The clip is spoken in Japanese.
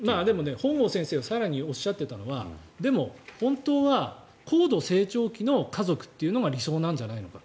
本郷先生が更におっしゃっていたのはでも、本当は高度成長期の家族というのが理想なんじゃないかと。